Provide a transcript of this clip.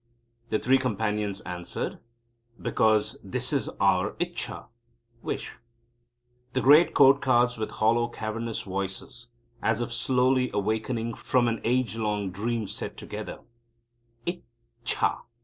The Three Companions answered: "Because that is our Ichcha (wish)." The great Court Cards with hollow, cavernous voices, as if slowly awakening from an age long dream, said together: "Ich cha!